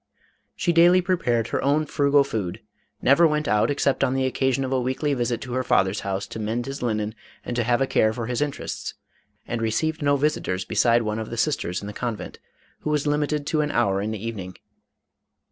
She daily prepared her own frugal food ; never went out except on the occasion of a weekly visit to her father's house to mend his linen and to have a care for his interests, and received no visitors beside one of the sisters in the convent, who was limited to an hour in the evening.